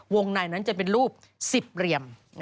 ในนั้นจะเป็นรูป๑๐เหลี่ยม